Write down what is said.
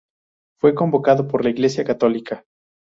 Fue convocado por la iglesia católica.